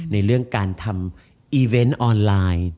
ในเรื่องการทำอีเวนต์ออนไลน์